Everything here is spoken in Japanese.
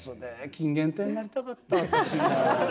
金原亭になりたかった私も。